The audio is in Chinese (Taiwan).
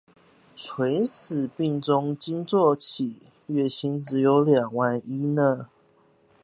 垂死病中驚坐起，月薪只有兩萬一